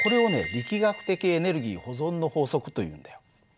力学的エネルギー保存の法則というんだよ。